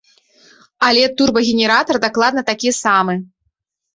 Але турбагенератар дакладна такі самы.